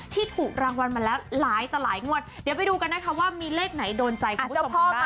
ถูกรางวัลมาแล้วหลายต่อหลายงวดเดี๋ยวไปดูกันนะคะว่ามีเลขไหนโดนใจคุณผู้ชม